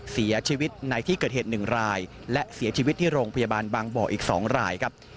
เสียชีวิตในที่เกิดเหตุ๑รายและเสียชีวิตที่โรงพยาบาลบางบ่ออีก๒รายครับ